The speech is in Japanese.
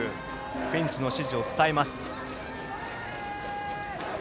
ベンチの指示を伝えます。